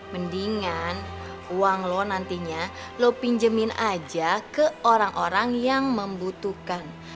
mendingan uang lo nantinya lo pinjemin aja ke orang orang yang membutuhkan